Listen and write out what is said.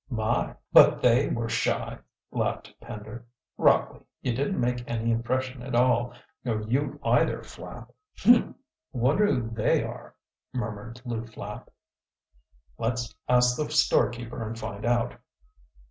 "My, but they were shy!" laughed Pender. "Rockley, you didn't make any impression at all. Nor you either, Flapp." "Humph! Wonder who they are?" murmured Lew Flapp. "Let's ask the storekeeper and find out."